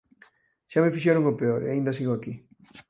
Xa me fixeron o peor, e aínda sigo aquí.